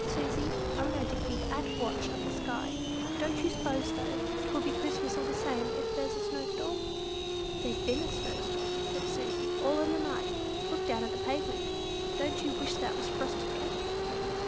Susy, I'm going to keep at watch of the sky. Don't you s'pose, though, 'twill be Christmas all the same, if there's a snow storm?" "There's been snow," said Susy, "all in the night. Look down at the pavement. Don't you wish that was frosted cake?"